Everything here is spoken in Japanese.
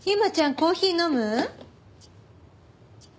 コーヒー飲む？